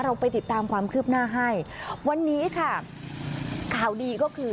เราไปติดตามความคืบหน้าให้วันนี้ค่ะข่าวดีก็คือ